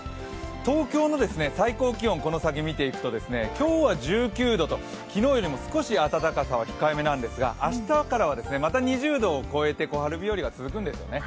東京の最高気温、この先見ていくと今日は１９度と、昨日よりも少し暖かさは控えめなんですが、明日からはまた２０度を超えて小春日和が続くんですね。